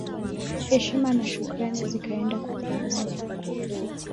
Heshima na shukrani zikaenda kwa Pep